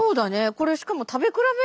これしかも食べ比べ？